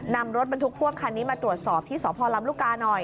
นำรถบรรทุกพ่วงคันนี้มาตรวจสอบที่สพลำลูกกาหน่อย